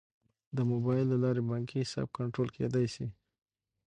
د موبایل له لارې بانکي حساب کنټرول کیدی شي.